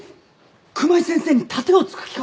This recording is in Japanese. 熊井先生に盾を突く気か！